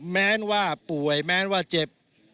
แม้ว่าป่วยแม้ว่าเจ็บ